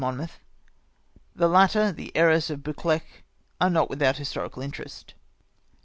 23 Monmouth, the latter the lieiress of Buccleuch*, are not without historical interest.